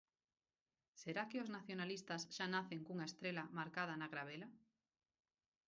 Será que os nacionalistas xa nacen cunha estrela marcada na glabela?